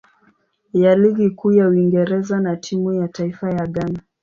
ya Ligi Kuu ya Uingereza na timu ya taifa ya Ghana.